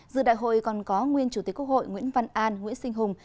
dự đại hội còn có nguyên chủ tịch quốc hội nguyễn văn an nguyễn sinh hùng